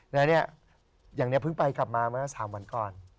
แล้วเนี่ยอย่างนี้เพิ่งไปกลับมาเมื่อ๓วันก่อน